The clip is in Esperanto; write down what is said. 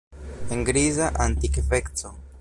En griza antikveco.